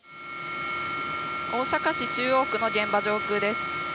大阪市中央区の現場上空です。